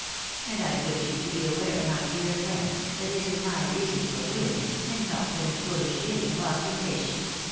And I wish you to be aware, my dear friend, that this is my reason for doing it, and not any foolish feeling of ostentation.